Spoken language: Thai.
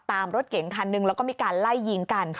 รถเก๋งคันหนึ่งแล้วก็มีการไล่ยิงกัน